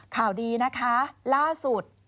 ข่าวดีนะคะล่าสุด